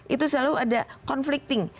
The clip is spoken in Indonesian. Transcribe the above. itu selalu ada conflicting